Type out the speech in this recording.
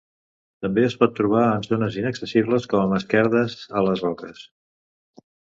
També es pot trobar en zones inaccessibles com a esquerdes a les roques.